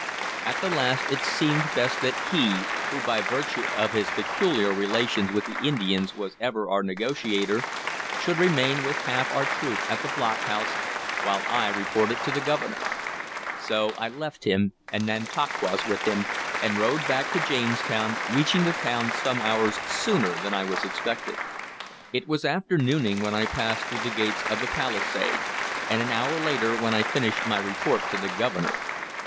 At the last it seemed best that he, who by virtue of his peculiar relations with the Indians was ever our negotiator, should remain with half our troop at the block house, while I reported to the Governor. So I left him, and Nantauquas with him, and rode back to Jamestown, reaching the town some hours sooner than I was expected. It was after nooning when I passed through the gates of the palisade, and an hour later when I finished my report to the Governor.